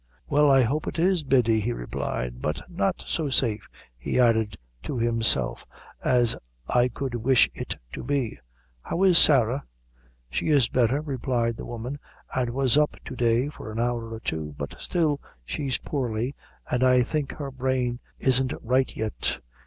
"Well, I hope it is, Biddy," he replied, "but not so safe," he added to himself, "as I could wish it to be. How is Sarah?" "She's better," replied the woman, "an' was up to day for an hour or two; but still she's poorly, and I think her brain isn't right yet."